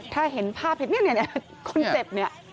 ถ้าเห็นภาพนี่คนเจ็บเนี่ย